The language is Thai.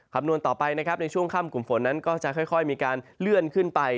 คำนวณต่อไปนะครับในช่วงค่ำกลุ่มฝนนั้นก็จะค่อยมีการเลื่อนขึ้นไป